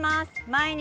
毎日？